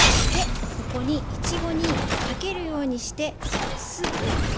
ここにいちごにかけるようにしてスープをかけていきます。